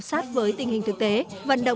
sát với tình hình thực tế vận động